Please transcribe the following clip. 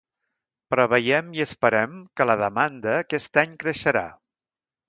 Preveiem i esperem que la demanda aquest any creixerà.